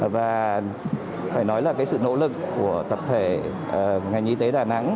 và phải nói là cái sự nỗ lực của tập thể ngành y tế đà nẵng